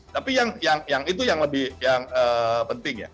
tapi itu yang lebih penting ya